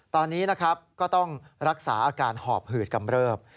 ตอนนี้นะครับก็ต้องรักษาอาการหอบหืดกำเริบ